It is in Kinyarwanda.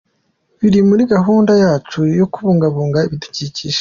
Biri muri gahunda yacu yo kubungabunga ibidukikije".